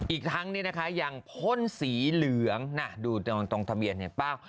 อีกทั้งนี้นะคะยังพ่นสีเหลืองน่ะดูตรงทะเบียนเห็นเปล่า